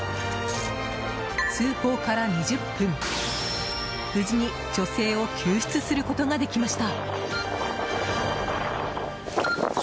通報から２０分、無事に女性を救出することができました。